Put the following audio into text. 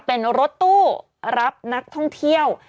เป็นรถตู้รับนักท่องเที่ยว